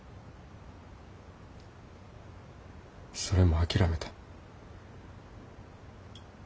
それも諦めた。